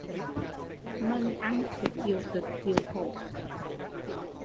Mần ăn phải chịu cực chịu khổ